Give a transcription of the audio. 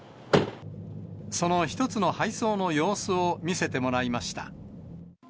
その１つの配送の様子を見せてもらいました。